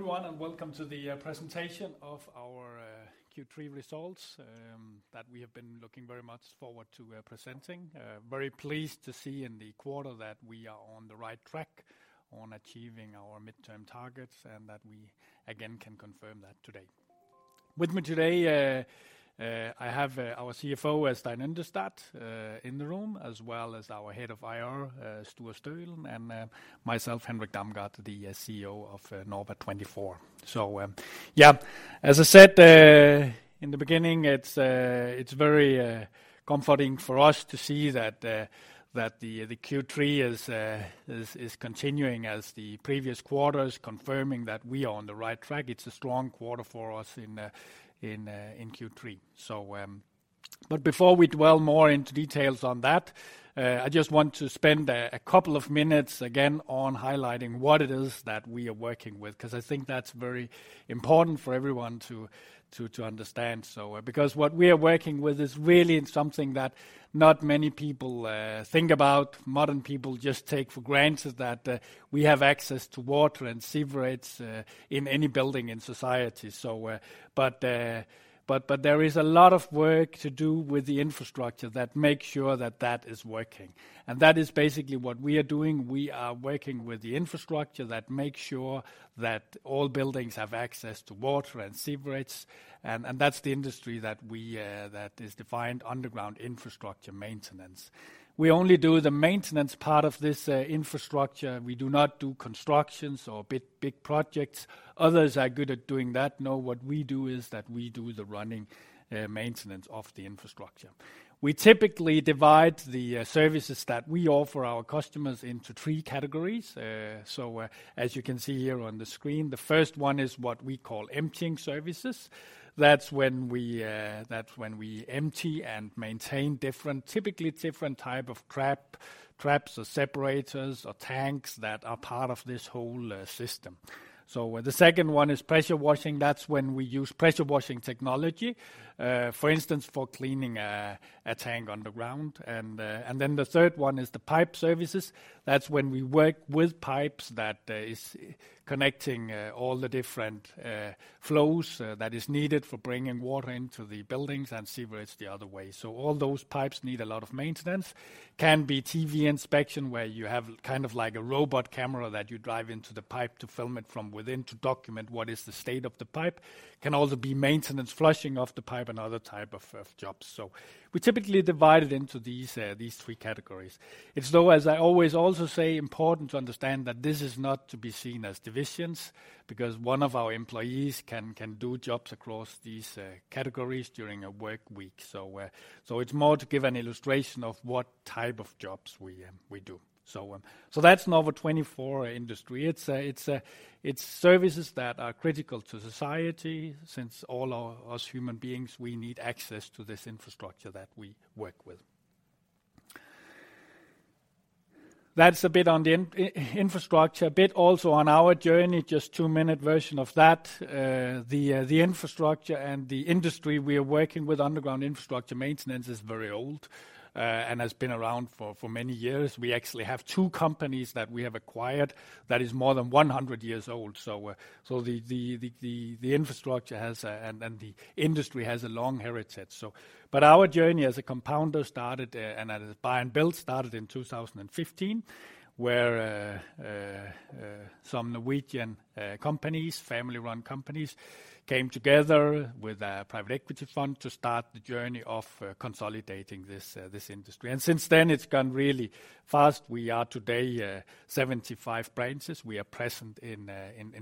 Hello, everyone, welcome to the presentation of our Q3 results that we have been looking very much forward to presenting. Very pleased to see in the quarter that we are on the right track on achieving our midterm targets, and that we again can confirm that today. With me today, I have our CFO, Stein Yndestad, in the room, as well as our Head of IR, Sture Stølen, and myself, Henrik Damgaard, the CEO of Norva24. As I said, in the beginning, it's very comforting for us to see that the Q3 is continuing as the previous quarters, confirming that we are on the right track. It's a strong quarter for us in Q3. But before we dwell more into details on that, I just want to spend a couple of minutes again on highlighting what it is that we are working with, 'cause I think that's very important for everyone to understand so. What we are working with is really something that not many people think about. Modern people just take for granted that we have access to water and sewerage in any building in society. There is a lot of work to do with the infrastructure that makes sure that that is working, and that is basically what we are doing. We are working with the infrastructure that makes sure that all buildings have access to water and sewerage, and that's the industry that we that is defined Underground Infrastructure Maintenance. We only do the maintenance part of this infrastructure. We do not do constructions or big, big projects. Others are good at doing that. What we do is that we do the running maintenance of the infrastructure. We typically divide the services that we offer our customers into three categories. As you can see here on the screen, the first one is what we call Emptying Services. That's when we empty and maintain different, typically different type of traps or separators or tanks that are part of this whole system. The second one is Pressure Washing. That's when we use pressure washing technology, for instance, for cleaning a tank underground. The third one is the Pipe Services. That's when we work with pipes that is connecting all the different flows that is needed for bringing water into the buildings and sewerage the other way. All those pipes need a lot of maintenance. Can be TV inspection, where you have kind of like a robot camera that you drive into the pipe to film it from within to document what is the state of the pipe. Can also be maintenance, flushing of the pipe and other type of jobs. We typically divide it into these three categories. It's though, as I always also say, important to understand that this is not to be seen as divisions, because one of our employees can do jobs across these categories during a work week. It's more to give an illustration of what type of jobs we do. That's Norva24 industry. It's services that are critical to society since all our, us human beings, we need access to this infrastructure that we work with. That's a bit on the infrastructure. A bit also on our journey, just 2-minute version of that. The infrastructure and the industry we are working with, Underground Infrastructure Maintenance, is very old and has been around for many years. We actually have 2 companies that we have acquired that is more than 100 years old. The infrastructure has a, and the industry has a long heritage so. Our journey as a compounder started, and as buy and build, started in 2015, where some Norwegian companies, family-run companies, came together with a private equity fund to start the journey of consolidating this industry. Since then, it's gone really fast. We are today 75 branches. We are present in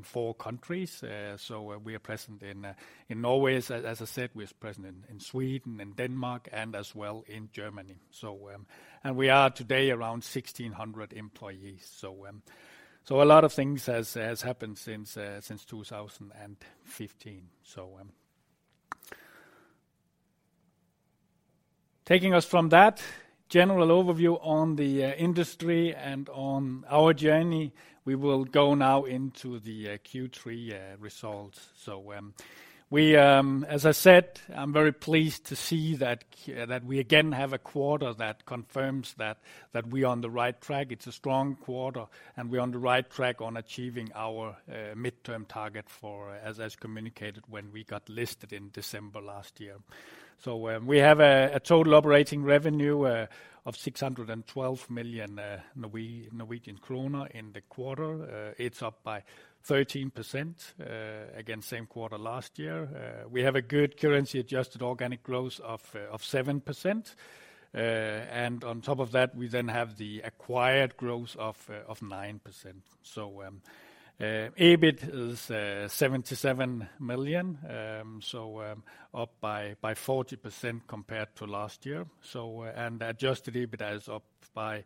4 countries. We are present in Norway. As I said, we are present in Sweden and Denmark and as well in Germany. We are today around 1,600 employees. A lot of things has happened since 2015. Taking us from that general overview on the industry and on our journey, we will go now into the Q3 results. We, as I said, I'm very pleased to see that we again have a quarter that confirms that we're on the right track. It's a strong quarter, we're on the right track on achieving our midterm target as communicated when we got listed in December last year. We have a total operating revenue of 612 million Norwegian krone in the quarter. It's up by 13%, again, same quarter last year. We have a good currency-adjusted organic growth of 7%. On top of that, we then have the acquired growth of 9%. EBIT is 77 million, up by 40% compared to last year. adjusted EBITDA is up by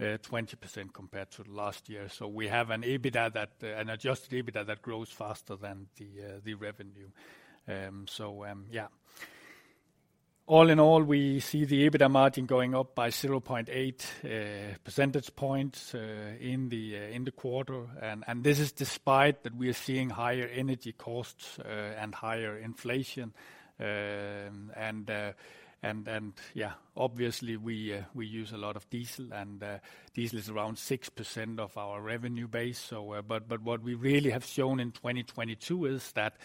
20% compared to last year. We have an EBITDA that, an adjusted EBITDA that grows faster than the revenue. All in all, we see the EBITDA margin going up by 0.8 percentage points in the quarter. This is despite that we are seeing higher energy costs and higher inflation. Obviously we use a lot of diesel and diesel is around 6% of our revenue base. But what we really have shown in 2022 is that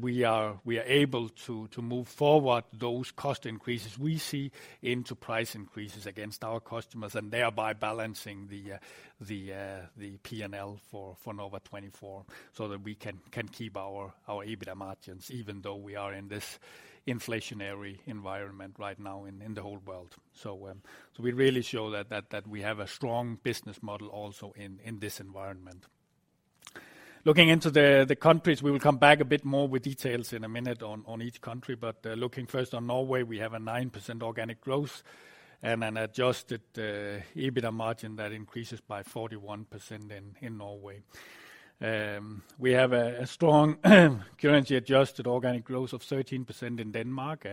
we are able to move forward those cost increases we see into price increases against our customers and thereby balancing the PNL for Norva24 so that we can keep our EBITDA margins even though we are in this inflationary environment right now in the whole world. We really show that we have a strong business model also in this environment. Looking into the countries, we will come back a bit more with details in a minute on each country. Looking first on Norway, we have a 9% organic growth and an adjusted EBITDA margin that increases by 41% in Norway. We have a strong currency adjusted organic growth of 13% in Denmark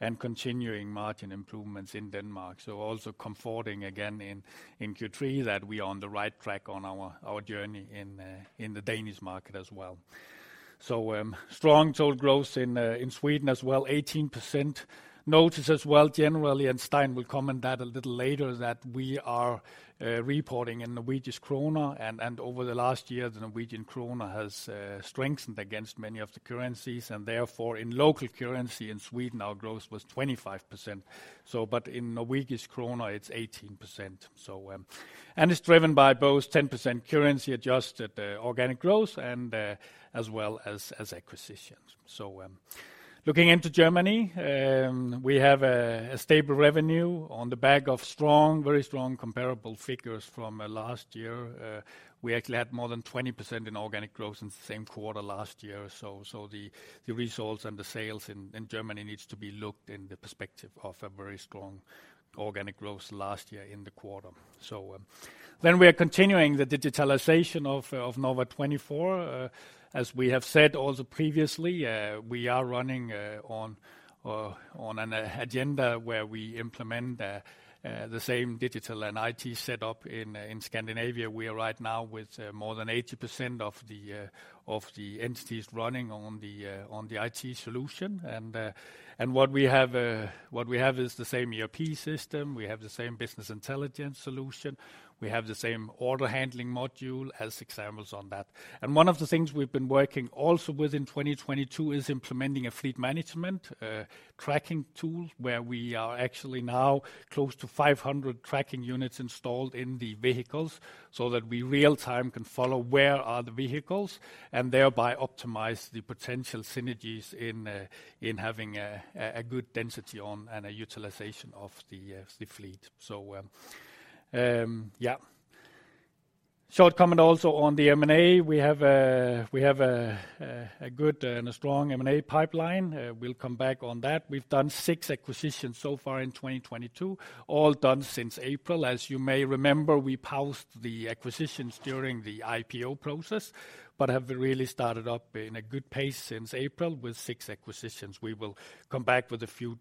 and continuing margin improvements in Denmark. Also comforting again in Q3 that we are on the right track on our journey in the Danish market as well. Strong total growth in Sweden as well, 18%. Notice as well generally, and Stein will comment that a little later, that we are reporting in Norwegian krone and over the last year, the Norwegian krone has strengthened against many of the currencies and therefore in local currency in Sweden, our growth was 25%. But in Norwegian krone it's 18%. And it's driven by both 10% currency adjusted organic growth and as well as acquisitions. Looking into Germany, we have a stable revenue on the back of strong, very strong comparable figures from last year. We actually had more than 20% in organic growth in the same quarter last year. The results and the sales in Germany needs to be looked in the perspective of a very strong organic growth last year in the quarter. We are continuing the digitalization of Norva24. As we have said also previously, we are running on an agenda where we implement the same digital and IT set up in Scandinavia. We are right now with more than 80% of the entities running on the IT solution. What we have is the same ERP system. We have the same business intelligence solution. We have the same order handling module as examples on that. One of the things we've been working also with in 2022 is implementing a fleet management tracking tool where we are actually now close to 500 tracking units installed in the vehicles so that we real time can follow where are the vehicles and thereby optimize the potential synergies in having a good density on and a utilization of the fleet. Yeah. Short comment also on the M&A. We have a good and a strong M&A pipeline. We'll come back on that. We've done 6 acquisitions so far in 2022, all done since April. As you may remember, we paused the acquisitions during the IPO process, but have really started up in a good pace since April with six acquisitions. We will come back with a few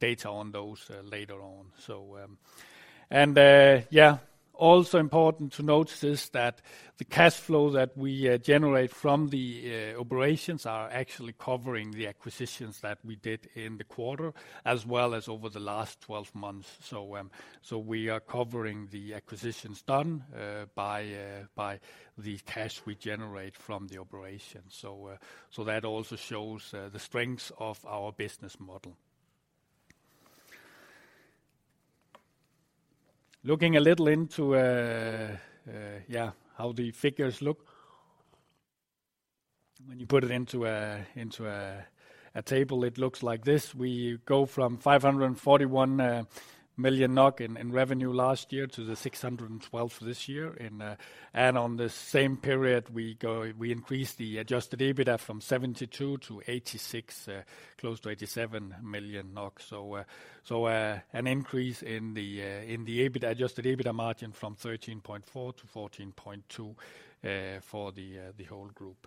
data on those later on. Yeah, also important to notice is that the cash flow that we generate from the operations are actually covering the acquisitions that we did in the quarter as well as over the last 12 months. We are covering the acquisitions done by the cash we generate from the operation. That also shows the strengths of our business model. Looking a little into, yeah, how the figures look. When you put it into a table, it looks like this. We go from 541 million NOK in revenue last year to 612 million for this year. On the same period, we increase the adjusted EBITDA from 72 million to 86 million, close to 87 million NOK. An increase in the adjusted EBITDA margin from 13.4% to 14.2% for the whole group.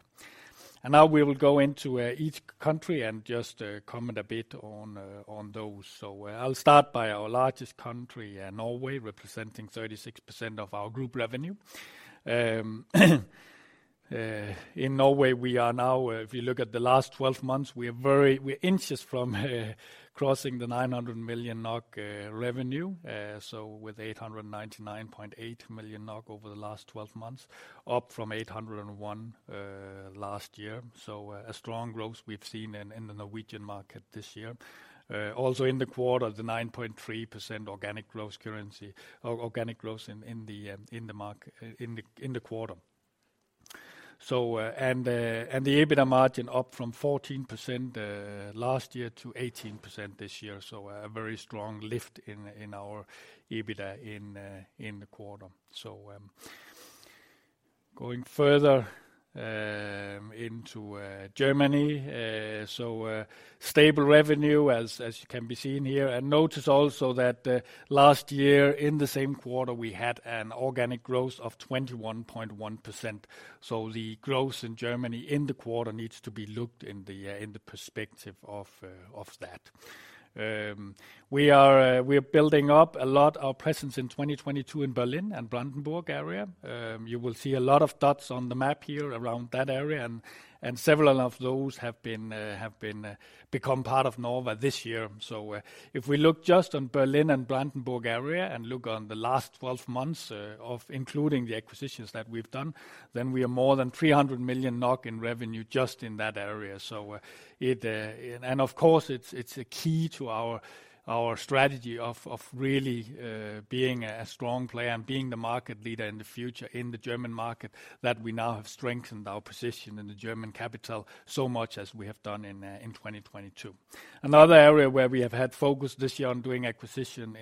Now we will go into each country and just comment a bit on those. I'll start by our largest country, Norway, representing 36% of our group revenue. In Norway, we are now, if you look at the last 12 months, we're inches from crossing the 900 million NOK revenue. With 899.8 million NOK over the last twelve months, up from 801 last year. A strong growth we've seen in the Norwegian market this year. Also in the quarter, the 9.3% organic growth currency, or organic growth in the quarter. The EBITDA margin up from 14% last year to 18% this year. A very strong lift in our EBITDA in the quarter. Going further into Germany. Stable revenue as you can be seeing here. Notice also that last year in the same quarter, we had an organic growth of 21.1%. The growth in Germany in the quarter needs to be looked in the perspective of that. We are building up a lot our presence in 2022 in Berlin and Brandenburg area. You will see a lot of dots on the map here around that area, and several of those have been part of Norva24 this year. If we look just on Berlin and Brandenburg area and look on the last 12 months of including the acquisitions that we've done, then we are more than 300 million NOK in revenue just in that area. Of course, it's a key to our strategy of really being a strong player and being the market leader in the future in the German market that we now have strengthened our position in the German capital so much as we have done in 2022. Another area where we have had focus this year on doing acquisition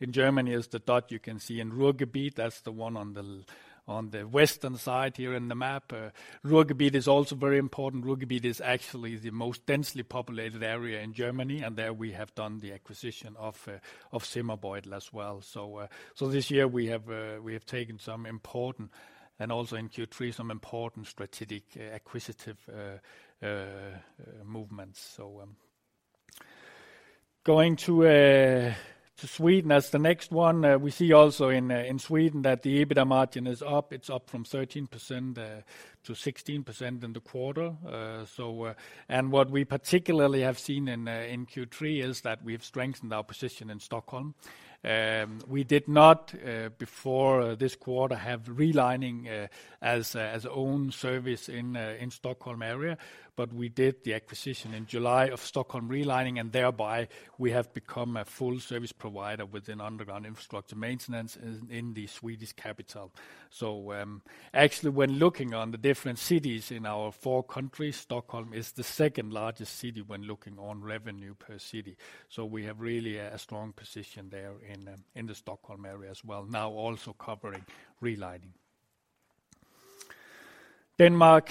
in Germany is the dot you can see in Ruhrgebiet. That's the one on the western side here in the map. Ruhrgebiet is also very important. Ruhrgebiet is actually the most densely populated area in Germany, and there we have done the acquisition of Zimmerbeutel as well. So this year we have taken some important, and also in Q3, some important strategic acquisitive movements. Going to Sweden as the next one. We see also in Sweden that the EBITDA margin is up. It's up from 13% to 16% in the quarter. What we particularly have seen in Q3 is that we've strengthened our position in Stockholm. We did not before this quarter have relining as own service in Stockholm area, but we did the acquisition in July of Stockholm Relining, and thereby we have become a full service provider within underground infrastructure maintenance in the Swedish capital. Actually, when looking on the different cities in our four countries, Stockholm is the second-largest city when looking on revenue per city. We have really a strong position there in the Stockholm area as well, now also covering relining. Denmark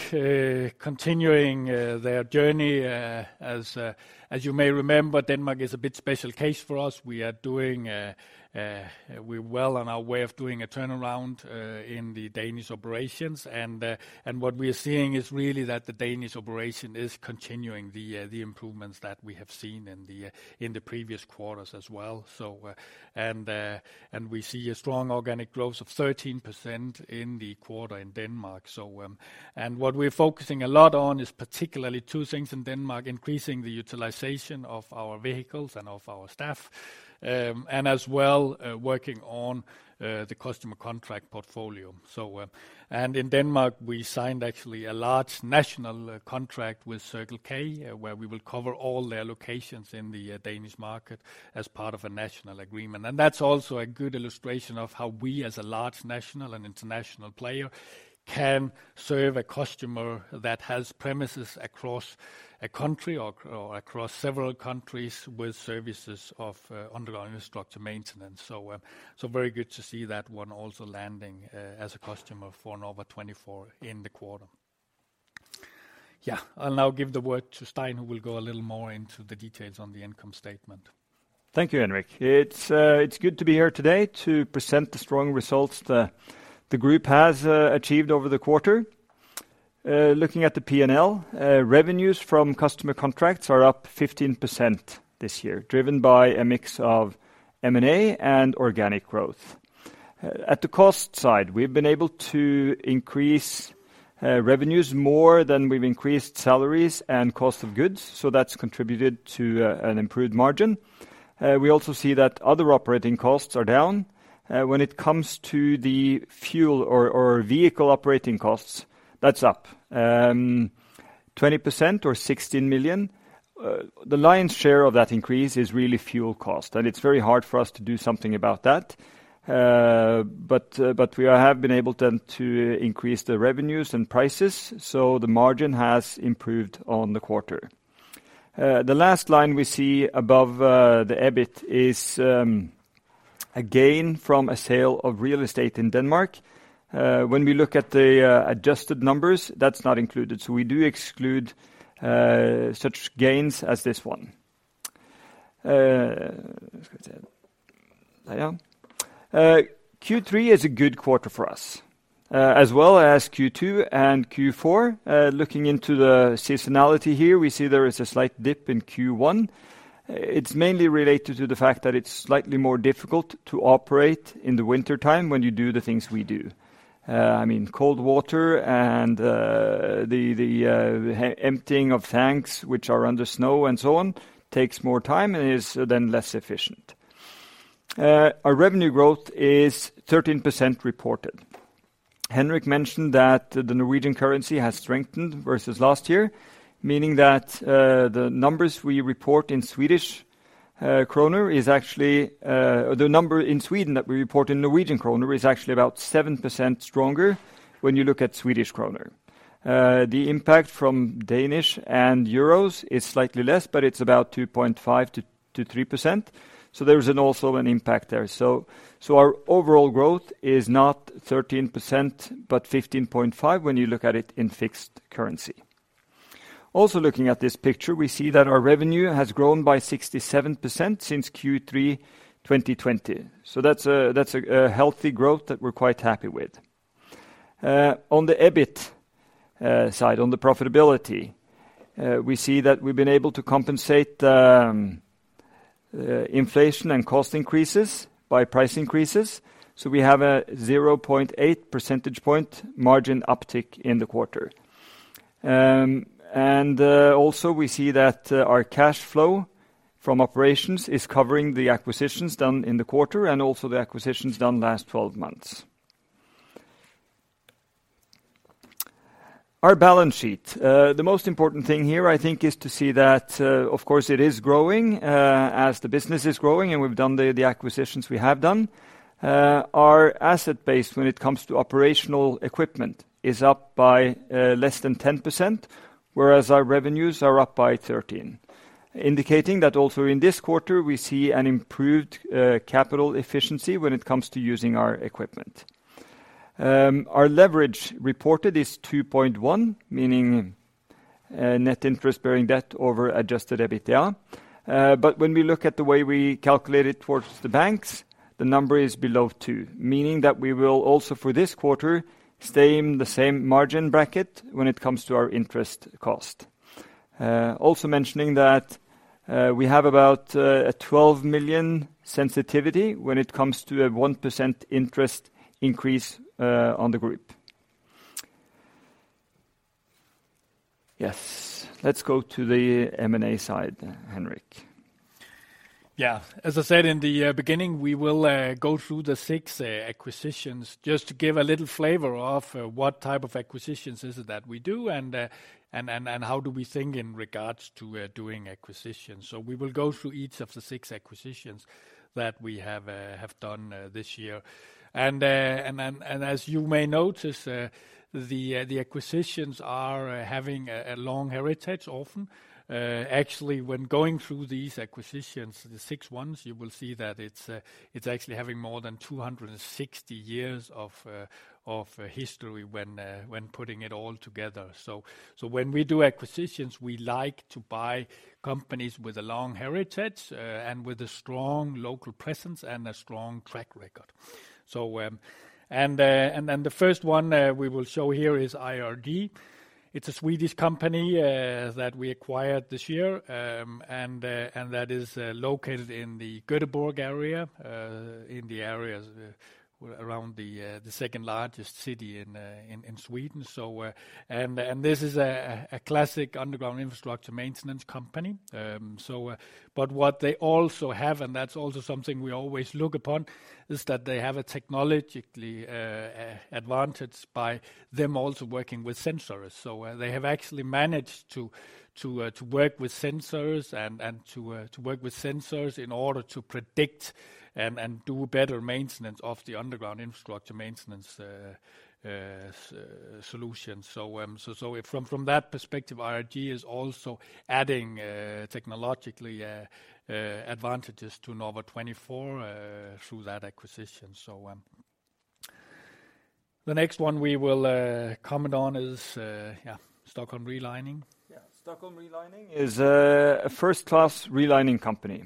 continuing their journey. As you may remember, Denmark is a bit special case for us. We are doing, we're well on our way of doing a turnaround in the Danish operations. What we are seeing is really that the Danish operation is continuing the improvements that we have seen in the previous quarters as well. We see a strong organic growth of 13% in the quarter in Denmark. What we're focusing a lot on is particularly two things in Denmark, increasing the utilization of our vehicles and of our staff, and as well working on the customer contract portfolio. And in Denmark, we signed actually a large national contract with Circle K, where we will cover all their locations in the Danish market as part of a national agreement. That's also a good illustration of how we, as a large national and international player, can serve a customer that has premises across a country or across several countries with services of underlying infrastructure maintenance. Very good to see that one also landing as a customer for Norva24 in the quarter. Yeah. I'll now give the word to Stein, who will go a little more into the details on the income statement. Thank you, Henrik. It's good to be here today to present the strong results the group has achieved over the quarter. Looking at the P&L, revenues from customer contracts are up 15% this year, driven by a mix of M&A and organic growth. At the cost side, we've been able to increase revenues more than we've increased salaries and cost of goods, that's contributed to an improved margin. We also see that other operating costs are down. When it comes to the fuel or vehicle operating costs, that's up 20% or 16 million. The lion's share of that increase is really fuel cost, it's very hard for us to do something about that. We have been able then to increase the revenues and prices, so the margin has improved on the quarter. The last line we see above, the EBIT is a gain from a sale of real estate in Denmark. When we look at the adjusted numbers, that's not included, so we do exclude such gains as this one. Q3 is a good quarter for us, as well as Q2 and Q4. Looking into the seasonality here, we see there is a slight dip in Q1. It's mainly related to the fact that it's slightly more difficult to operate in the wintertime when you do the things we do. I mean, cold water and the emptying of tanks which are under snow and so on takes more time and is then less efficient. Our revenue growth is 13% reported. Henrik mentioned that the Norwegian currency has strengthened versus last year, meaning that the numbers we report in Swedish kroner is actually the number in Sweden that we report in Norwegian kroner is actually about 7% stronger when you look at Swedish kroner. The impact from Danish and euros is slightly less, but it's about 2.5%-3%, so there is also an impact there. Our overall growth is not 13%, but 15.5% when you look at it in fixed currency. Looking at this picture, we see that our revenue has grown by 67% since Q3 2020, so that's a healthy growth that we're quite happy with. On the EBIT side, on the profitability, we see that we've been able to compensate inflation and cost increases by price increases, so we have a 0.8 percentage point margin uptick in the quarter. Also, we see that our cash flow from operations is covering the acquisitions done in the quarter and also the acquisitions done last 12 months. Our balance sheet. The most important thing here, I think, is to see that, of course, it is growing as the business is growing, and we've done the acquisitions we have done. Our asset base when it comes to operational equipment is up by less than 10%, whereas our revenues are up by 13%, indicating that also in this quarter we see an improved capital efficiency when it comes to using our equipment. Our leverage reported is 2.1, meaning net interest-bearing debt over adjusted EBITDA. When we look at the way we calculate it towards the banks, the number is below 2, meaning that we will also for this quarter stay in the same margin bracket when it comes to our interest cost. Also mentioning that we have about a 12 million sensitivity when it comes to a 1% interest increase on the group. Yes. Let's go to the M&A side, Henrik. Yeah. As I said in the beginning, we will go through the six acquisitions just to give a little flavor of what type of acquisitions is it that we do and how do we think in regards to doing acquisitions. We will go through each of the six acquisitions that we have done this year. As you may notice, the acquisitions are having a long heritage often. Actually, when going through these acquisitions, the six ones, you will see that it's actually having more than 260 years of history when putting it all together. When we do acquisitions, we like to buy companies with a long heritage, and with a strong local presence and a strong track record. The first one we will show here is IRG. It's a Swedish company that we acquired this year, and that is located in the Göteborg area, in the areas around the second-largest city in Sweden. This is a classic underground infrastructure maintenance company. What they also have, and that's also something we always look upon, is that they have a technologically advantage by them also working with sensors. They have actually managed to work with sensors and to work with sensors in order to predict and do better maintenance of the underground infrastructure maintenance solutions. From that perspective, IRG is also adding technologically advantages to Norva24 through that acquisition. The next one we will comment on is Stockholm Relining. Stockholm Relining is a first-class relining company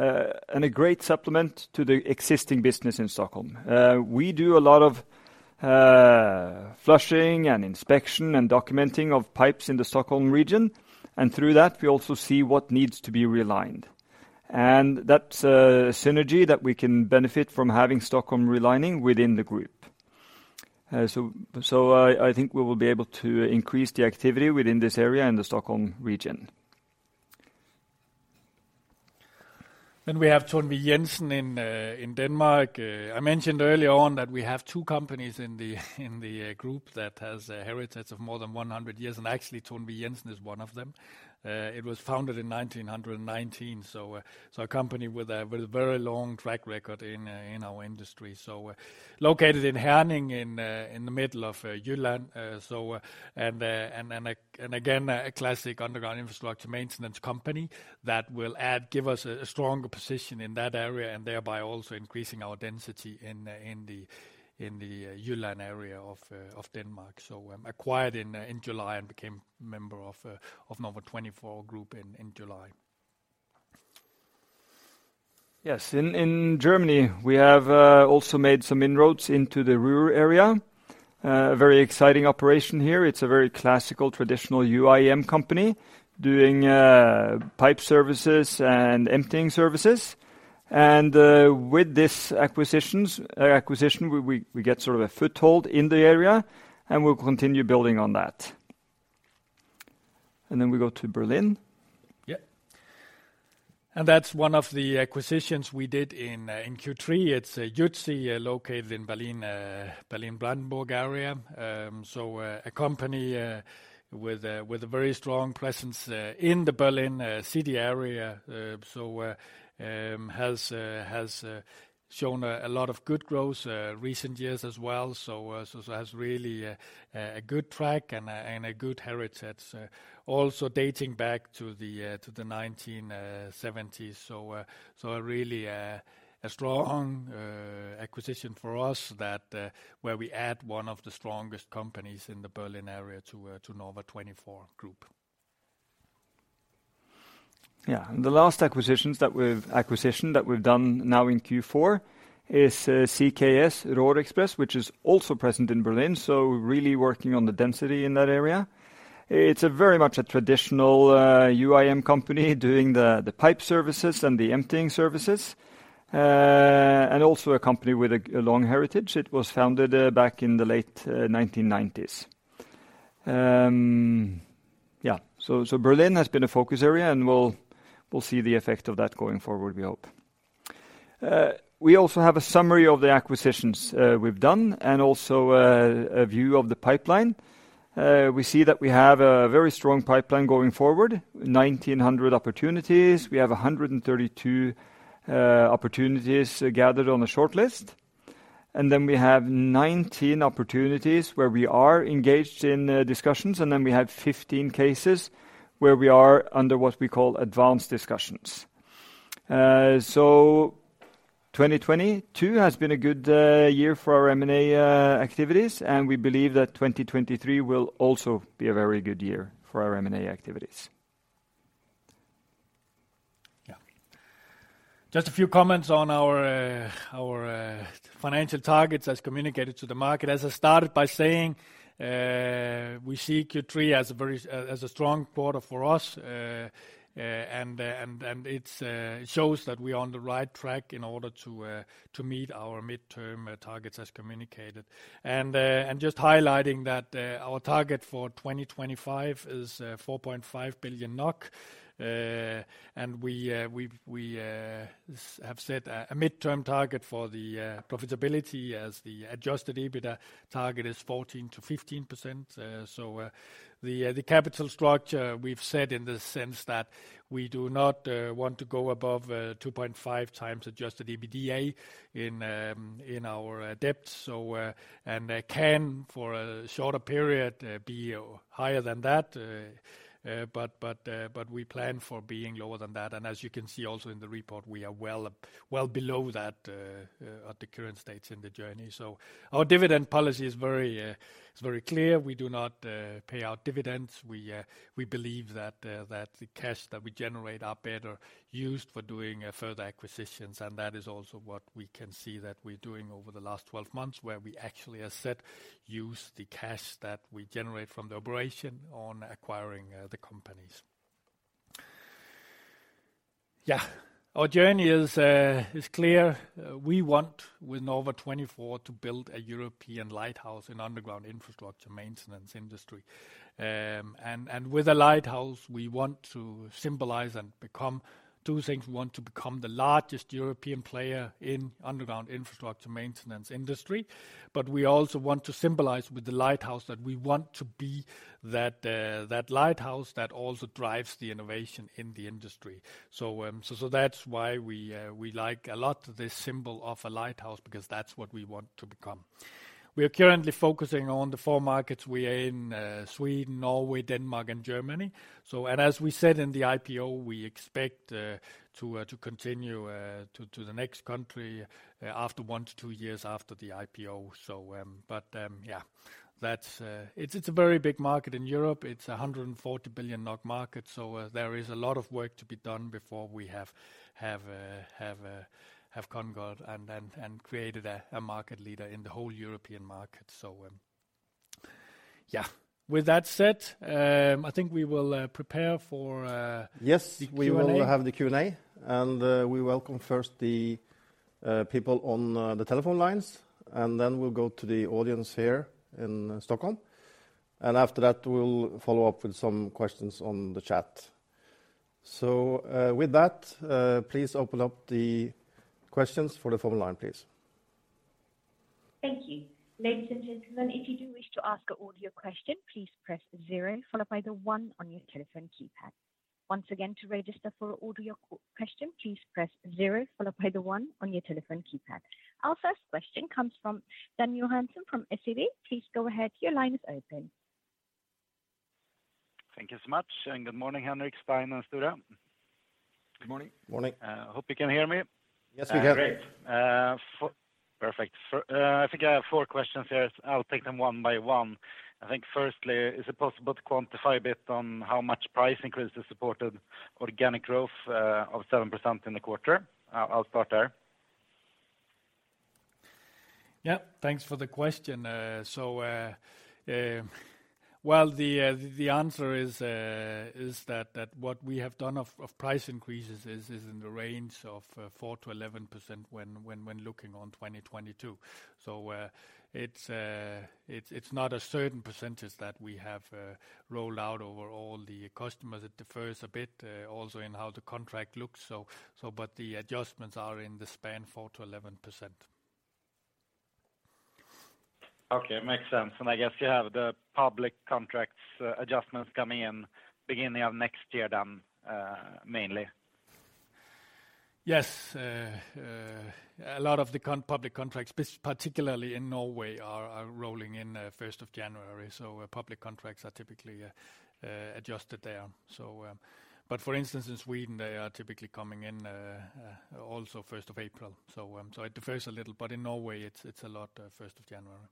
and a great supplement to the existing business in Stockholm. We do a lot of flushing and inspection and documenting of pipes in the Stockholm region, through that, we also see what needs to be realigned. That's a synergy that we can benefit from having Stockholm Relining within the group. I think we will be able to increase the activity within this area in the Stockholm region. We have Thornvig Jensen in Denmark. I mentioned earlier on that we have two companies in the group that has a heritage of more than 100 years, and actually Thornvig Jensen is one of them. It was founded in 1919, so a company with a very long track record in our industry. Located in Herning in the middle of Jutland. Again, a classic underground infrastructure maintenance company that will add, give us a stronger position in that area and thereby also increasing our density in the Jutland area of Denmark. Acquired in July and became member of Norva24 Group in July. Yes. In Germany, we have also made some inroads into the rural area. A very exciting operation here. It's a very classical, traditional UIM company doing pipe services and emptying services. With this acquisition, we get sort of a foothold in the area, and we'll continue building on that. Then we go to Berlin. Yeah. That's one of the acquisitions we did in Q3. It's Jützy located in Berlin-Brandenburg area. A company with a very strong presence in the Berlin city area. Has shown a lot of good growth recent years as well. Has really a good track and a good heritage also dating back to the 1970s. A really a strong acquisition for us that where we add one of the strongest companies in the Berlin area to Norva24 Group. The last acquisition that we've done now in Q4 is CKS Rohr Express, which is also present in Berlin, so really working on the density in that area. It's a very much a traditional UIM company doing the pipe services and the emptying services. Also a company with a long heritage. It was founded back in the late 1990s. Berlin has been a focus area, and we'll see the effect of that going forward, we hope. We also have a summary of the acquisitions we've done and also a view of the pipeline. We see that we have a very strong pipeline going forward, 1,900 opportunities. We have 132 opportunities gathered on a shortlist. We have 19 opportunities where we are engaged in discussions, and then we have 15 cases where we are under what we call advanced discussions. 2022 has been a good year for our M&A activities, and we believe that 2023 will also be a very good year for our M&A activities. Yeah. Just a few comments on our financial targets as communicated to the market. As I started by saying, we see Q3 as a strong quarter for us, and it shows that we're on the right track in order to meet our midterm targets as communicated. Just highlighting that our target for 2025 is 4.5 billion NOK. And we have set a midterm target for the profitability as the adjusted EBITDA target is 14%-15%. So the capital structure we've set in the sense that we do not want to go above 2.5x adjusted EBITDA in our debt. And can, for a shorter period, be higher than that. But we plan for being lower than that. As you can see also in the report, we are well below that at the current state in the journey. Our dividend policy is very clear. We do not pay out dividends. We believe that the cash that we generate are better used for doing further acquisitions. That is also what we can see that we're doing over the last 12 months, where we actually have set use the cash that we generate from the operation on acquiring the companies. Our journey is clear. We want with Norva24 to build a European lighthouse in Underground Infrastructure Maintenance industry. With a lighthouse, we want to symbolize and become two things. We want to become the largest European player in Underground Infrastructure Maintenance industry, but we also want to symbolize with the lighthouse that we want to be that lighthouse that also drives the innovation in the industry. That's why we like a lot this symbol of a lighthouse because that's what we want to become. We are currently focusing on the four markets we are in, Sweden, Norway, Denmark, and Germany. As we said in the IPO, we expect to continue to the next country after one-two years after the IPO. Yeah. That's. It's a very big market in Europe. It's a 140 billion NOK market, there is a lot of work to be done before we have conquered and created a market leader in the whole European market. Yeah. With that said, I think we will prepare for. Yes. The Q&A. We will have the Q&A, and we welcome first the people on the telephone lines, and then we'll go to the audience here in Stockholm. After that, we'll follow up with some questions on the chat. With that, please open up the questions for the phone line, please. Thank you. Ladies and gentlemen, if you do wish to ask an audio question, please press 0 followed by the 1 on your telephone keypad. Once again, to register for audio question, please press 0 followed by the 1 on your telephone keypad. Our first question comes from Dan Johansson from SEB. Please go ahead, your line is open. Thank you so much, and good morning, Henrik, Stein, and Sture. Good morning. Morning. Hope you can hear me. Yes, we can. Great. Perfect. I think I have four questions here. I'll take them one by one. I think firstly, is it possible to quantify a bit on how much price increase has supported organic growth, of 7% in the quarter? I'll start there. Yeah. Thanks for the question. Well, the answer is that what we have done of price increases is in the range of 4%-11% when looking on 2022. It's not a certain percentage that we have rolled out over all the customers. It differs a bit also in how the contract looks. The adjustments are in the span 4%-11%. Okay. Makes sense. I guess you have the public contracts, adjustments coming in beginning of next year then, mainly. Yes. A lot of the public contracts, particularly in Norway, are rolling in first of January. Public contracts are typically adjusted there. For instance, in Sweden, they are typically coming in also first of April. It differs a little, but in Norway it's a lot first of January.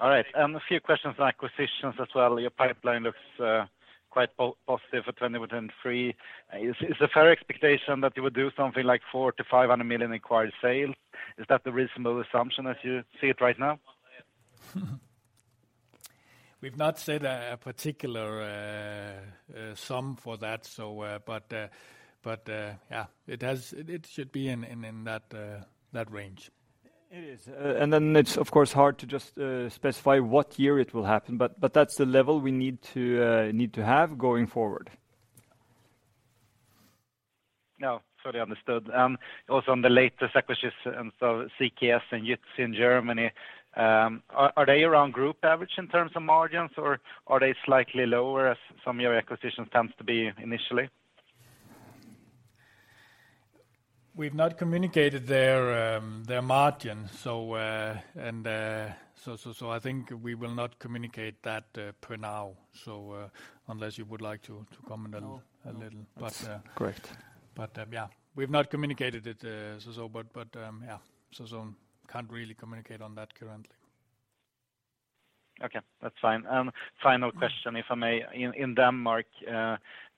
All right. A few questions on acquisitions as well. Your pipeline looks quite positive for 2023. Is a fair expectation that you would do something like 400 million-500 million acquired sale? Is that the reasonable assumption as you see it right now? We've not set a particular sum for that, so, but, yeah, It should be in that range. It is. Then it's of course hard to just specify what year it will happen, but that's the level we need to need to have going forward. No, totally understood. Also on the latest acquisitions, CKS and Jützy in Germany, are they around group average in terms of margins or are they slightly lower as some of your acquisitions tends to be initially? We've not communicated their margin. And, so I think we will not communicate that per now. Unless you would like to comment a little. No. a little. Correct. Yeah. We've not communicated it, so but, yeah. So can't really communicate on that currently. Okay, that's fine. Final question, if I may. In Denmark,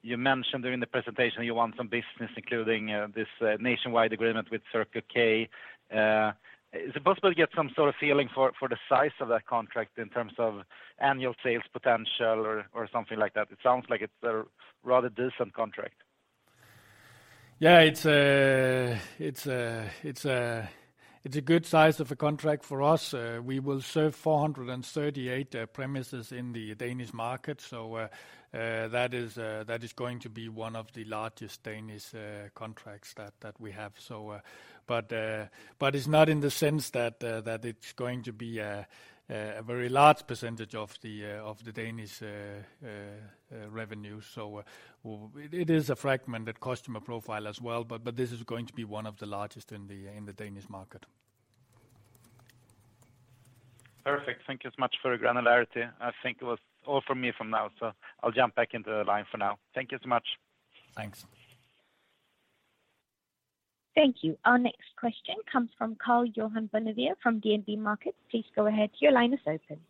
you mentioned during the presentation you won some business including this nationwide agreement with Circle K. Is it possible to get some sort of feeling for the size of that contract in terms of annual sales potential or something like that? It sounds like it's a rather decent contract. It's a good size of a contract for us. We will serve 438 premises in the Danish market. That is going to be one of the largest Danish contracts that we have. But it's not in the sense that it's going to be a very large percentage of the Danish revenue. It is a fragmented customer profile as well, but this is going to be one of the largest in the Danish market. Perfect. Thank you so much for the granularity. I think it was all for me from now. I'll jump back into the line for now. Thank you so much. Thanks. Thank you. Our next question comes from Karl-Johan Bonnevier from DNB Markets. Please go ahead, your line is open.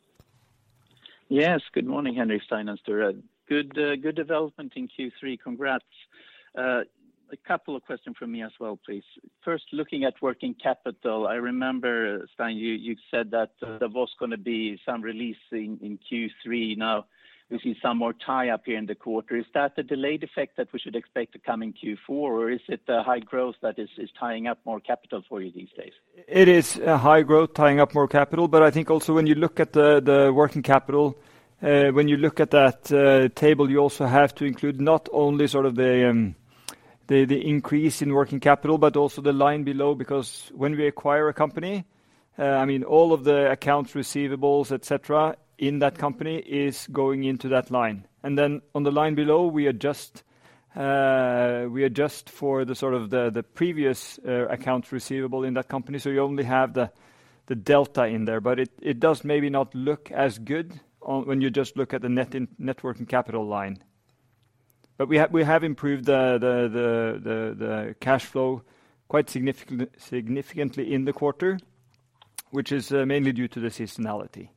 Good morning, Henrik, Stein, and Sture. Good, good development in Q3. Congrats. A couple of questions from me as well, please. First, looking at working capital, I remember, Stein, you said that there was gonna be some release in Q3. Now we see some more tie-up here in the quarter. Is that the delayed effect that we should expect to come in Q4, or is it the high growth that is tying up more capital for you these days? It is high growth tying up more capital. I think also when you look at the working capital, when you look at that table, you also have to include not only sort of the increase in working capital, but also the line below. When we acquire a company, I mean, all of the accounts receivables, et cetera, in that company is going into that line. On the line below, we adjust for the sort of the previous accounts receivable in that company. You only have the delta in there. It does maybe not look as good on when you just look at the net working capital line. We have improved the cash flow quite significantly in the quarter, which is mainly due to the seasonality.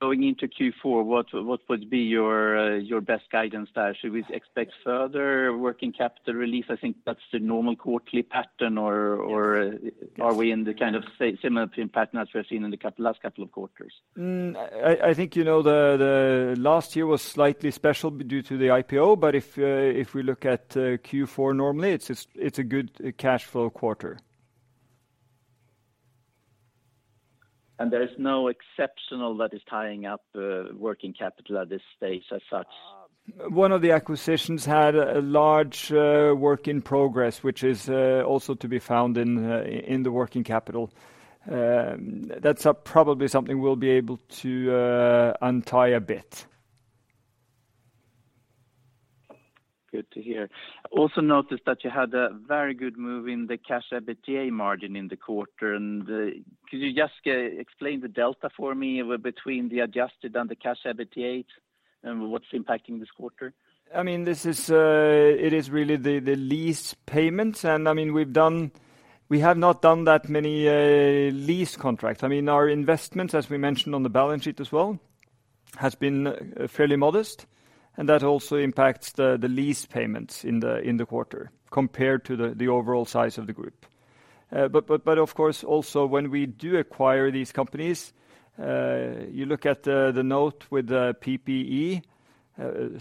Going into Q4, what would be your best guidance there? Should we expect further working capital release? I think that's the normal quarterly pattern. Yes. Are we in the kind of similar pattern as we have seen in the last couple of quarters? I think, you know, the last year was slightly special due to the IPO, but if we look at Q4, normally it's a good cash flow quarter. Is there no exceptional that is tying up, working capital at this stage as such? One of the acquisitions had a large, work in progress, which is, also to be found in the working capital. That's, probably something we'll be able to, untie a bit. Good to hear. Also noticed that you had a very good move in the Cash EBITDA margin in the quarter. Could you just explain the delta for me between the adjusted and the Cash EBITDA and what's impacting this quarter? I mean, this is, it is really the lease payments. I mean, we have not done that many lease contracts. I mean, our investments, as we mentioned on the balance sheet as well, has been fairly modest, and that also impacts the lease payments in the, in the quarter compared to the overall size of the group. But of course, also when we do acquire these companies, you look at the note with the PPE,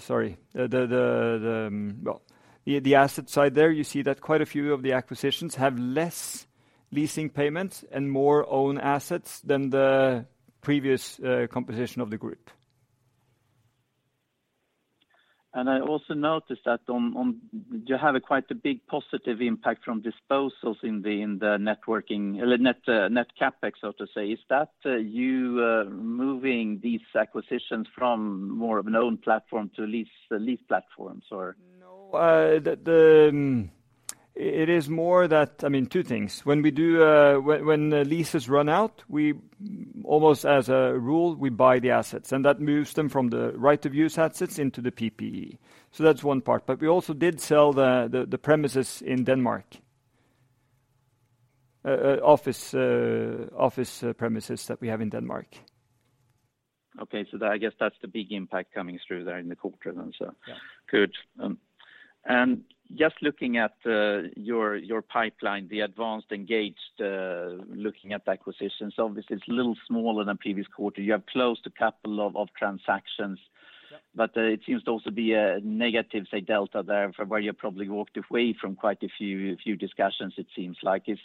sorry, Well, the asset side there, you see that quite a few of the acquisitions have less leasing payments and more own assets than the previous composition of the group. I also noticed that on... You have a quite a big positive impact from disposals in the net CapEx, so to say. Is that you moving these acquisitions from more of an own platform to lease platforms or? No. The, I mean, 2 things. It is more that, when we do, when the leases run out, weAlmost as a rule, we buy the assets, and that moves them from the Right-of-use assets into the PPE. That's one part. We also did sell the premises in Denmark. Office premises that we have in Denmark. Okay. I guess that's the big impact coming through there in the quarter then, so. Yeah. Good. Just looking at your pipeline, the advanced engaged, looking at acquisitions, obviously it's a little smaller than previous quarter. You have closed 2 transactions. Yeah. It seems to also be a negative, say, delta there from where you probably walked away from quite a few discussions it seems like. What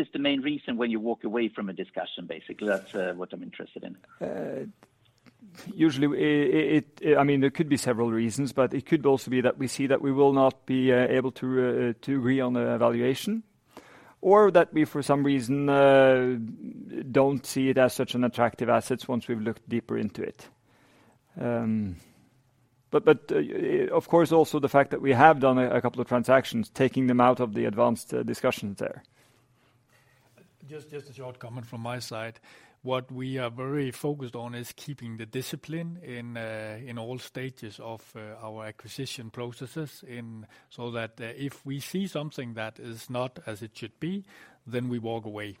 is the main reason when you walk away from a discussion, basically? That's what I'm interested in. Usually, I mean, there could be several reasons, but it could also be that we see that we will not be able to agree on the valuation or that we for some reason, don't see it as such an attractive assets once we've looked deeper into it. Of course, also the fact that we have done a couple of transactions, taking them out of the advanced discussions there. Just a short comment from my side. What we are very focused on is keeping the discipline in all stages of our acquisition processes in... so that if we see something that is not as it should be, then we walk away.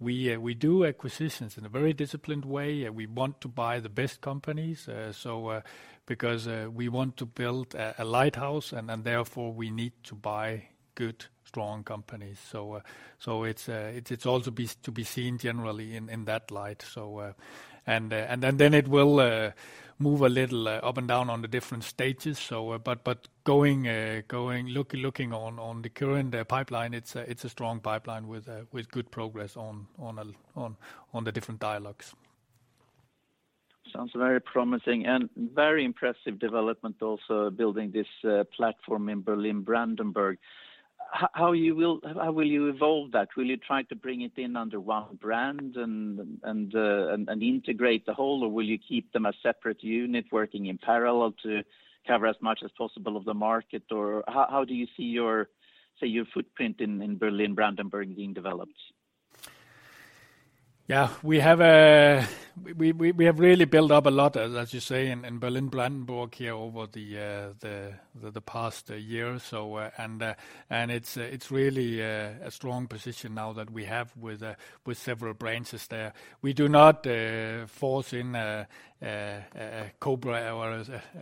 We do acquisitions in a very disciplined way. We want to buy the best companies, so because we want to build a lighthouse and therefore we need to buy good, strong companies. it's all to be seen generally in that light. and then it will move a little up and down on the different stages. but going... Looking on the current pipeline, it's a strong pipeline with good progress on the different dialogues. Sounds very promising and very impressive development also building this platform in Berlin, Brandenburg. How will you evolve that? Will you try to bring it in under one brand and integrate the whole, or will you keep them a separate unit working in parallel to cover as much as possible of the market, or how do you see your, say, your footprint in Berlin, Brandenburg being developed? Yeah. We have really built up a lot, as you say, in Berlin, Brandenburg here over the past year. It's really a strong position now that we have with several branches there. We do not force in Cobra or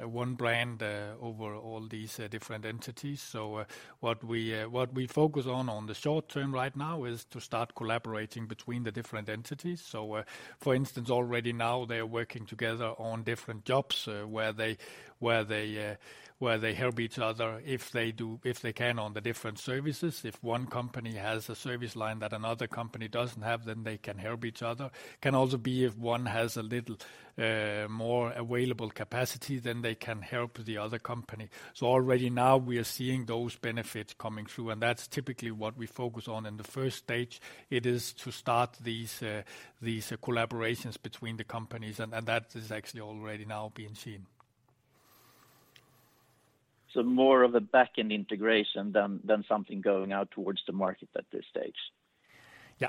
one brand over all these different entities. What we focus on on the short term right now is to start collaborating between the different entities. For instance, already now they are working together on different jobs where they help each other if they do, if they can on the different services. If one company has a service line that another company doesn't have, then they can help each other. Can also be if one has a little more available capacity, then they can help the other company. Already now we are seeing those benefits coming through, and that's typically what we focus on in the first stage. It is to start these collaborations between the companies and that is actually already now being seen. more of a back-end integration than something going out towards the market at this stage. Yeah.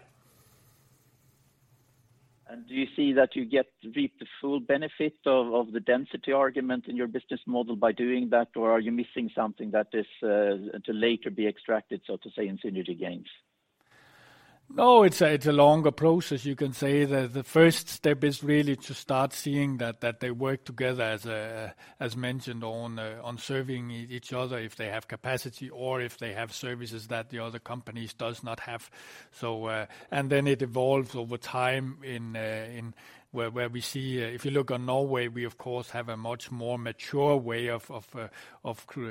Do you see that you reap the full benefit of the density argument in your business model by doing that, or are you missing something that is to later be extracted, so to say, in synergy gains? No, it's a longer process you can say. The first step is really to start seeing that they work together as mentioned on serving each other if they have capacity or if they have services that the other companies does not have. Then it evolves over time in where we see. If you look on Norway, we of course have a much more mature way of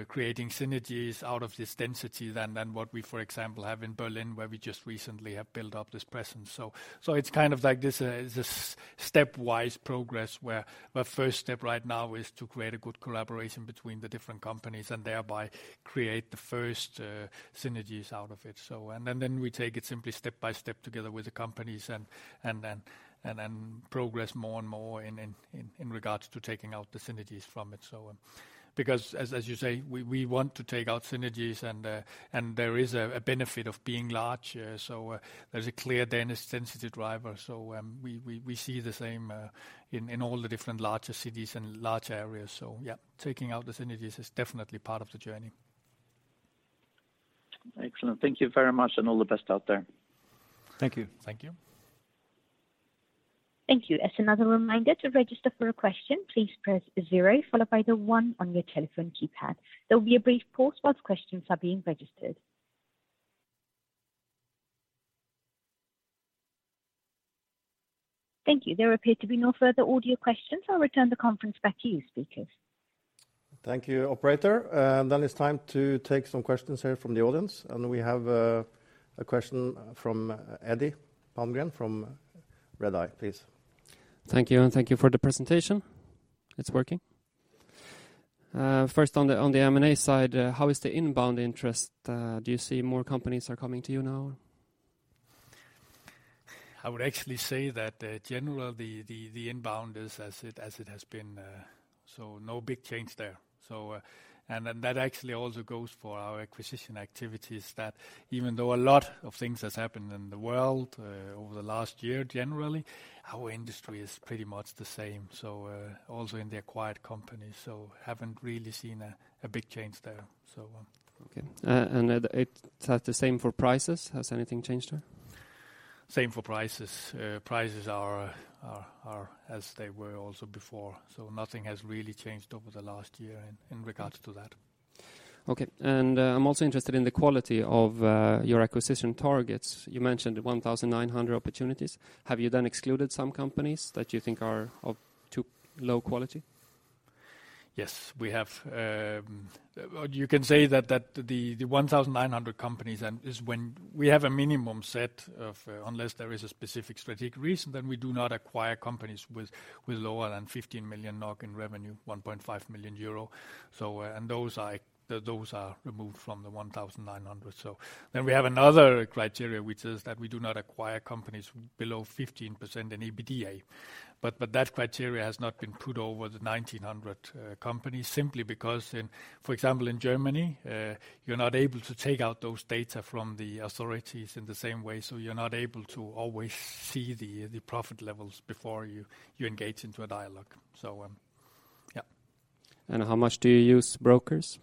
creating synergies out of this density than what we, for example, have in Berlin, where we just recently have built up this presence. It's kind of like this stepwise progress where the first step right now is to create a good collaboration between the different companies and thereby create the first synergies out of it. Then we take it simply step by step together with the companies and then, and then progress more and more in regards to taking out the synergies from it, so. As you say, we want to take out synergies and there is a benefit of being large. There's a clear density driver. We see the same in all the different larger cities and large areas. Yeah, taking out the synergies is definitely part of the journey. Excellent. Thank you very much, and all the best out there. Thank you. Thank you. Thank you. As another reminder, to register for a question, please press zero followed by the one on your telephone keypad. There will be a brief pause while questions are being registered. Thank you. There appear to be no further audio questions. I'll return the conference back to you speakers. Thank you, operator. It's time to take some questions here from the audience, and we have a question from Eddie Palmgren from Redeye, please. Thank you, and thank you for the presentation. It's working? First on the M&A side, how is the inbound interest? Do you see more companies are coming to you now? I would actually say that, generally the inbound is as it has been. No big change there. That actually also goes for our acquisition activities, that even though a lot of things has happened in the world, over the last year, generally, our industry is pretty much the same, also in the acquired companies. Haven't really seen a big change there. Okay. Is that the same for prices? Has anything changed there? Same for prices. Prices are as they were also before. Nothing has really changed over the last year in regards to that. Okay. I'm also interested in the quality of your acquisition targets. You mentioned 1,900 opportunities. Have you then excluded some companies that you think are of too low quality? Yes. We have, You can say that the 1,900 companies is when we have a minimum set of, unless there is a specific strategic reason, then we do not acquire companies with lower than 15 million NOK in revenue, 1.5 million euro. And those are removed from the 1,900. Then we have another criteria, which is that we do not acquire companies below 15% in EBITDA. That criteria has not been put over the 1,900 companies simply because in, for example, in Germany, you're not able to take out those data from the authorities in the same way, so you're not able to always see the profit levels before you engage into a dialogue. Yeah. How much do you use brokers?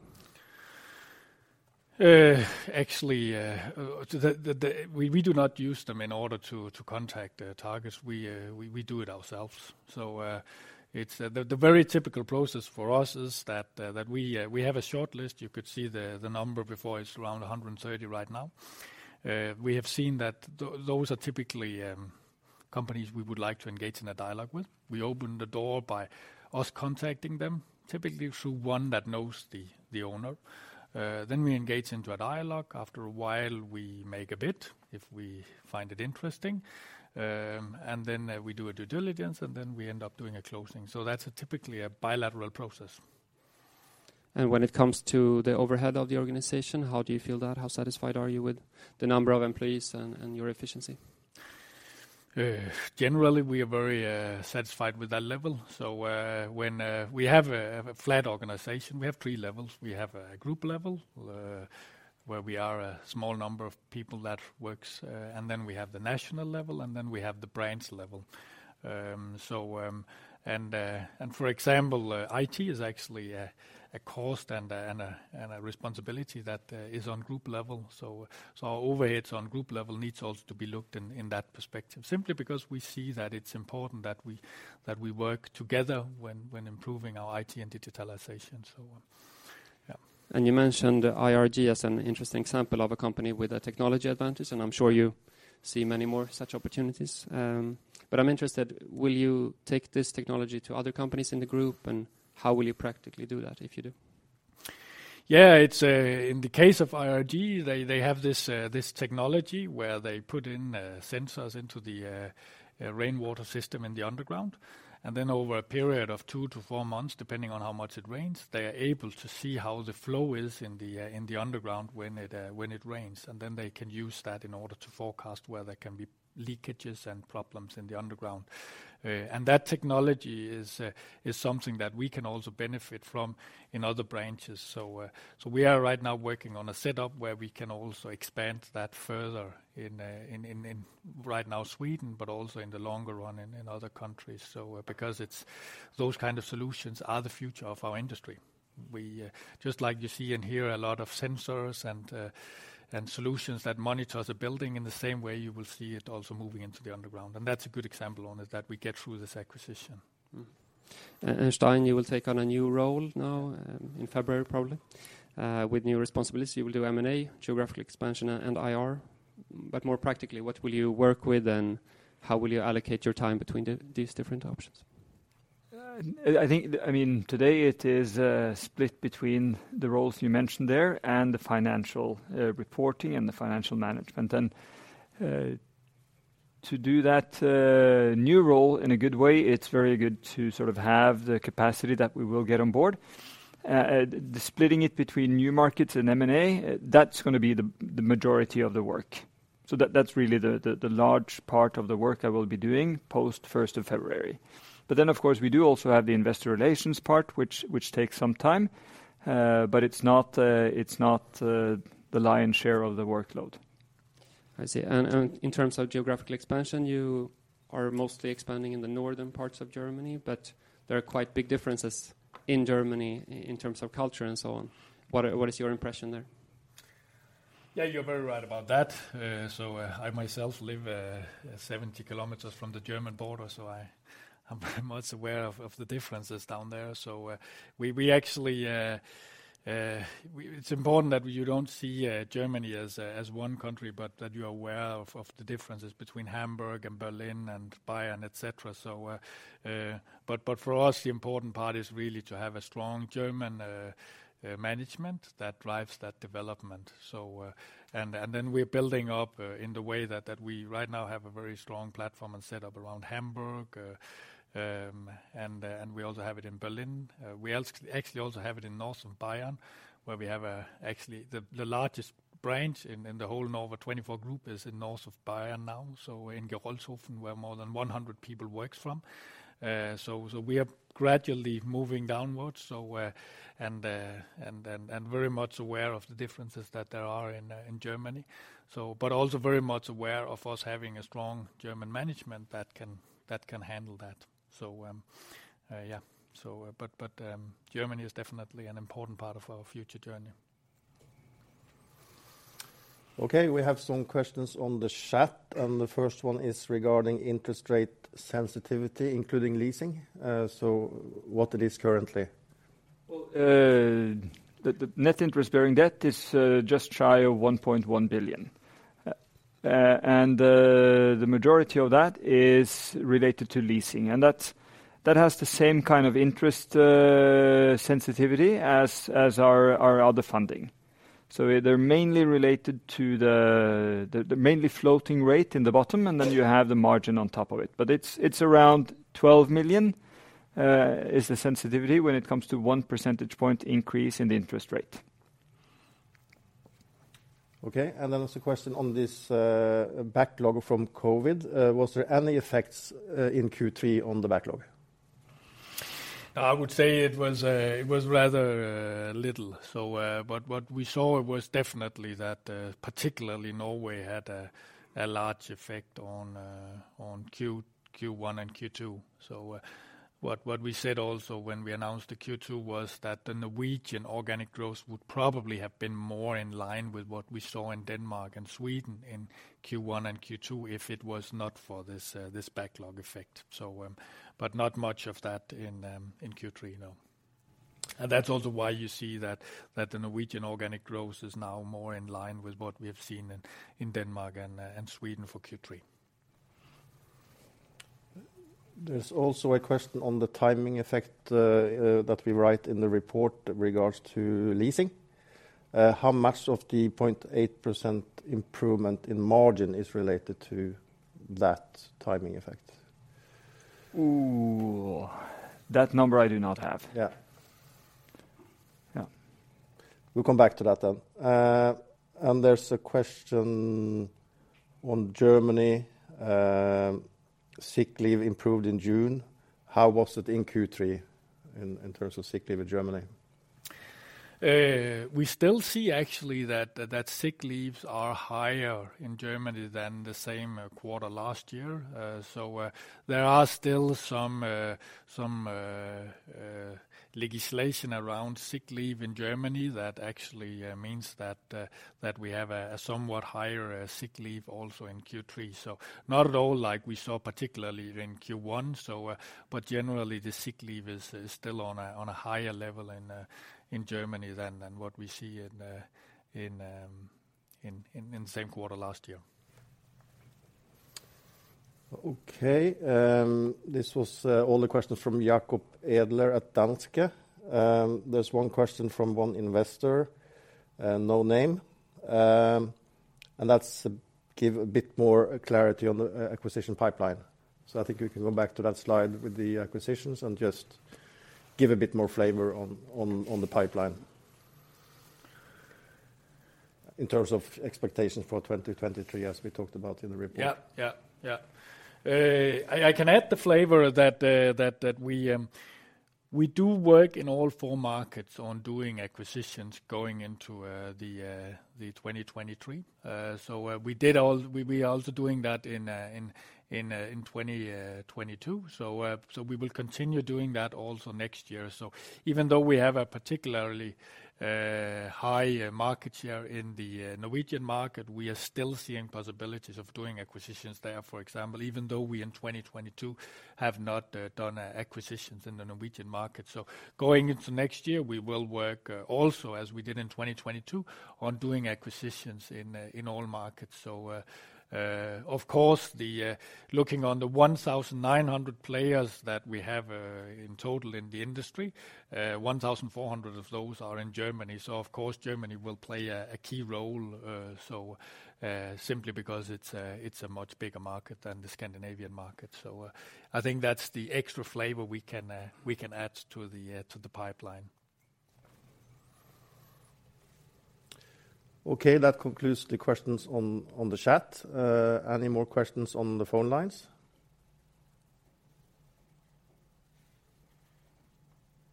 Actually, we do not use them in order to contact targets. We do it ourselves. It's the very typical process for us is that we have a shortlist. You could see the number before. It's around 130 right now. We have seen that those are typically companies we would like to engage in a dialogue with. We open the door by us contacting them, typically through one that knows the owner. Then we engage into a dialogue. After a while, we make a bid if we find it interesting. Then we do a due diligence, then we end up doing a closing. That's typically a bilateral process. When it comes to the overhead of the organization, how do you feel that? How satisfied are you with the number of employees and your efficiency? Generally, we are very satisfied with that level. We have a flat organization. We have three levels. We have a group level, where we are a small number of people that works, and then we have the national level, and then we have the branch level. For example, IT is actually a cost and a responsibility that is on group level. Our overheads on group level needs also to be looked in that perspective, simply because we see that it's important that we work together when improving our IT and digitalization. Yeah. You mentioned IRG as an interesting example of a company with a technology advantage, and I'm sure you see many more such opportunities. I'm interested, will you take this technology to other companies in the group, and how will you practically do that, if you do? Yeah. It's in the case of IRG, they have this technology where they put in sensors into the rainwater system in the underground. Over a period of two to four months, depending on how much it rains, they are able to see how the flow is in the underground when it when it rains. They can use that in order to forecast where there can be leakages and problems in the underground. That technology is something that we can also benefit from in other branches. We are right now working on a setup where we can also expand that further in right now Sweden but also in the longer run in other countries. Because it's, those kind of solutions are the future of our industry. We, just like you see in here a lot of sensors and solutions that monitors a building, in the same way you will see it also moving into the underground, and that's a good example on it that we get through this acquisition. Stein, you will take on a new role now in February probably with new responsibility. You will do M&A, geographical expansion, and IR. More practically, what will you work with, and how will you allocate your time between these different options? I think, I mean, today it is split between the roles you mentioned there and the financial reporting and the financial management. To do that new role in a good way, it's very good to sort of have the capacity that we will get on board. The splitting it between new markets and M&A, that's gonna be the majority of the work. That's really the large part of the work I will be doing post first of February. Of course, we do also have the investor relations part, which takes some time, but it's not, it's not the lion's share of the workload. I see. In terms of geographical expansion, you are mostly expanding in the northern parts of Germany, but there are quite big differences in Germany in terms of culture and so on. What is your impression there? Yeah, you're very right about that. I myself live 70 kilometers from the German border, so I am very much aware of the differences down there. We actually it's important that you don't see Germany as one country but that you are aware of the differences between Hamburg and Berlin and Bayern, et cetera. But for us, the important part is really to have a strong German management that drives that development. And then we're building up in the way that we right now have a very strong platform and setup around Hamburg. And we also have it in Berlin. We actually also have it in north of Bayern, where we have actually the largest branch in the whole Norva24 Group is in north of Bayern now, so in Gerolzhofen, where more than 100 people works from. We are gradually moving downwards, and then very much aware of the differences that there are in Germany. But also very much aware of us having a strong German management that can handle that. Yeah. Germany is definitely an important part of our future journey. Okay, we have some questions on the chat, and the first one is regarding interest rate sensitivity, including leasing. What it is currently? Well, the net interest-bearing debt is just shy of 1.1 billion. The majority of that is related to leasing, and that has the same kind of interest sensitivity as our other funding. They're mainly related to the mainly floating rate in the bottom, and then you have the margin on top of it. It's around 12 million is the sensitivity when it comes to one percentage point increase in the interest rate. Okay. There's a question on this backlog from COVID. Was there any effects in Q3 on the backlog? I would say it was, it was rather, little. But what we saw was definitely that, particularly Norway had a large effect on Q1 and Q2. What we said also when we announced the Q2 was that the Norwegian organic growth would probably have been more in line with what we saw in Denmark and Sweden in Q1 and Q2 if it was not for this backlog effect. But not much of that in Q3, no. That's also why you see that the Norwegian organic growth is now more in line with what we have seen in Denmark and Sweden for Q3. There's also a question on the timing effect that we write in the report regards to leasing. How much of the 0.8% improvement in margin is related to that timing effect? Ooh. That number I do not have. Yeah. Yeah. We'll come back to that then. There's a question on Germany. Sick leave improved in June. How was it in Q3 in terms of sick leave in Germany? We still see actually that sick leaves are higher in Germany than the same quarter last year. There are still some legislation around sick leave in Germany that actually means that we have a somewhat higher sick leave also in Q3. Not at all like we saw particularly in Q1. Generally the sick leave is still on a higher level in Germany than what we see in same quarter last year. This was all the questions from Jacob Edler at Danske Bank. There's 1 question from 1 investor, no name. That's give a bit more clarity on the acquisition pipeline. I think we can go back to that slide with the acquisitions and just give a bit more flavor on the pipeline. In terms of expectations for 2023 as we talked about in the report. Yeah. Yeah. Yeah. I can add the flavor that we do work in all four markets on doing acquisitions going into 2023. We did all, we also doing that in 2022. So we will continue doing that also next year. So even though we have a particularly high market share in the Norwegian market, we are still seeing possibilities of doing acquisitions there, for example, even though we in 2022 have not done acquisitions in the Norwegian market. So going into next year, we will work also, as we did in 2022, on doing acquisitions in all markets. Of course, the looking on the 1,900 players that we have in total in the industry, 1,400 of those are in Germany. Of course, Germany will play a key role, simply because it's a much bigger market than the Scandinavian market. I think that's the extra flavor we can add to the pipeline. Okay. That concludes the questions on the chat. Any more questions on the phone lines?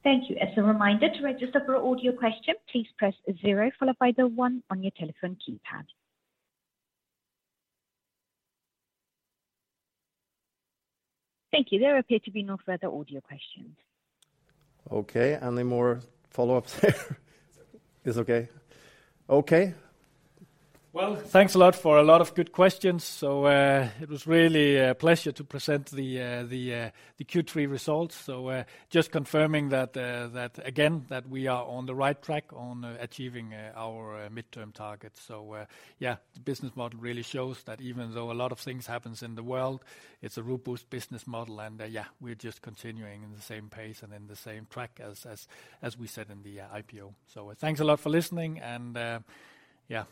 Thank you. As a reminder, to register for audio question, please press zero followed by the one on your telephone keypad. Thank you. There appear to be no further audio questions. Okay. Any more follow-ups there? It's okay. It's okay. Well, thanks a lot for a lot of good questions. It was really a pleasure to present the Q3 results. Just confirming that again, that we are on the right track on achieving our midterm targets. Yeah, the business model really shows that even though a lot of things happens in the world, it's a robust business model, and yeah, we're just continuing in the same pace and in the same track as we said in the IPO. Thanks a lot for listening and yeah.